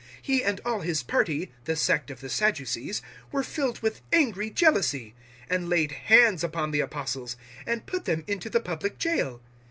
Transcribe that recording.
He and all his party the sect of the Sadducees were filled with angry jealousy 005:018 and laid hands upon the Apostles, and put them into the public jail.